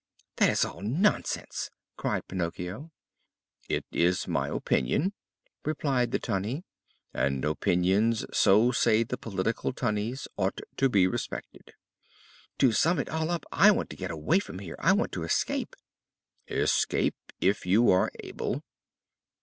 "That is all nonsense!" cried Pinocchio. "It is my opinion," replied the Tunny, "and opinions, so say the political Tunnies, ought to be respected." "To sum it all up, I want to get away from here. I want to escape." "Escape, if you are able!"